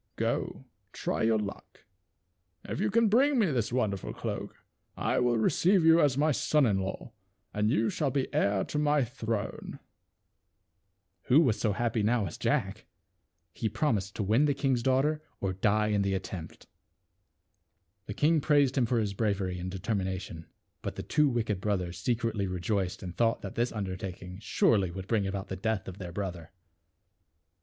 Go, try your luck ; if you can bring me this wonder ful cloak I will receive you as my son in law, and you shall be heir to my throne." Who so happy now as Jack ? He promised 250 THE WITCH'S TREASURES. to win the king's daughter or die in the attempt. The king praised him for his bravery and de termination j but the two wicked brothers secretly rejoiced and thought that this undertak ing surely would bring about the death of their brother.